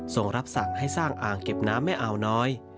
ส่งรับสั่งให้สร้างอ่างเก็บน้ำแม่อาวน้อย